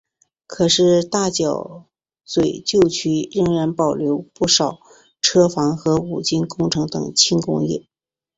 可是大角咀旧区仍然保留不少车房和五金工程等轻工业。